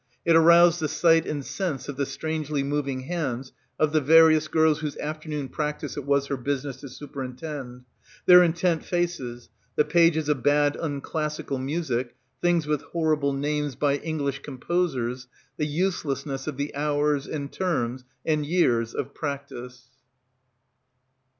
It aroused the sight and sense of the strangely moving hands of the various girls whose afternoon prac tice it was her business to superintend, their intent faces, the pages of bad unclassical music, things with horrible names, by English composers, the uselessness of the hours and terms and years of practice.